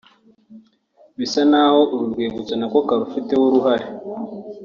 bisa n’aho uru rwibutso na ko karufiteho uruhare